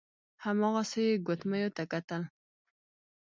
هماغسې يې ګوتميو ته کتل.